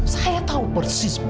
saya tahu persis